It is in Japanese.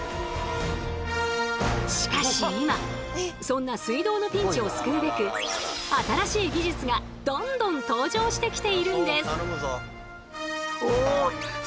しかし今そんな水道のピンチを救うべく新しい技術がどんどん登場してきているんです。